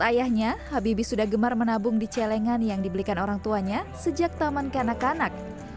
ayahnya habibie sudah gemar menabung di celengan yang dibelikan orang tuanya sejak taman kanak kanak